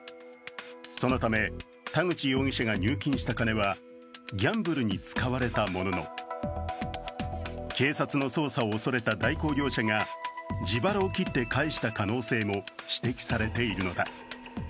そのため田口容疑者が入金した金はギャンブルに使われたものの、警察の捜査を恐れた代行業者が自腹を切って返した可能性も指摘されているのだ。